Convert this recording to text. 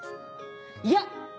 いや！